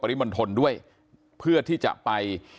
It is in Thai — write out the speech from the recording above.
สวัสดีคุณผู้ชมครับสวัสดีคุณผู้ชมครับ